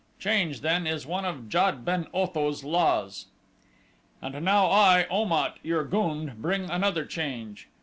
Change, then, is one of Jad ben Otho's laws. "And now I, Om at, your gund, bring another change.